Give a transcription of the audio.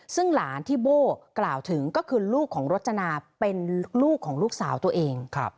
ซึ่งหลานที่โบ้กล่าวถึงก็คือลูกของรจนาเป็นลูกของลูกสาวตัวเอง